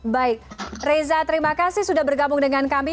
baik reza terima kasih sudah bergabung dengan kami